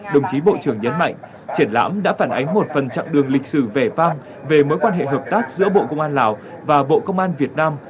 đồng chí bộ trưởng nhấn mạnh triển lãm đã phản ánh một phần chặng đường lịch sử vẻ vang về mối quan hệ hợp tác giữa bộ công an lào và bộ công an việt nam